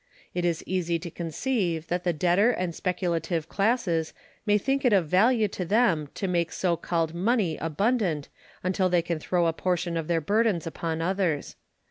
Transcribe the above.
It is easy to conceive that the debtor and speculative classes may think it of value to them to make so called money abundant until they can throw a portion of their burdens upon others.